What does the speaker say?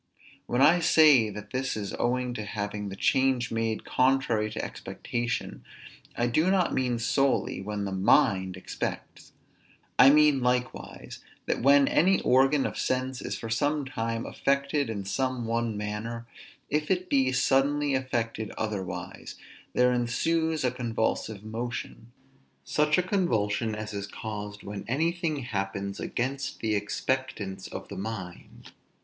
When I say that this is owing to having the change made contrary to expectation; I do not mean solely, when the mind expects. I mean likewise, that when any organ of sense is for some time affected in some one manner, if it be suddenly affected otherwise, there ensues a convulsive motion; such a convulsion as is caused when anything happens against the expectance of the mind.